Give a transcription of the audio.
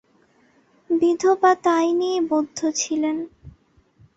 বিধবা তাই নিয়েই বদ্ধ ছিলেন।